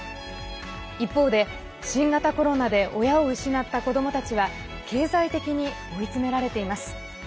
一方で新型コロナで親を失った子どもたちは経済的に追い詰められています。